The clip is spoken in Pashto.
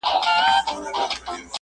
که مي ازل ستا پر لمنه سجدې کښلي نه وې -